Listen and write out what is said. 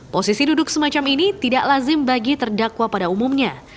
posisi duduk semacam ini tidak lazim bagi terdakwa pada umumnya